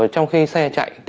trong khi xe chạy